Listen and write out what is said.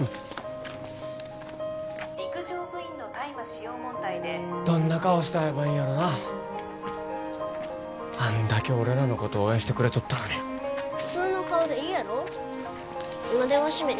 陸上部員の大麻使用問題でどんな顔して会えばいいんやろうなあんだけ俺らのこと応援してくれとったのに普通の顔でいいやろ今電話してみる？